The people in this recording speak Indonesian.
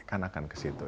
kan akan ke situ